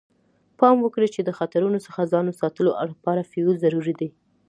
پام وکړئ چې د خطرونو څخه ځان ساتلو لپاره فیوز ضروري دی.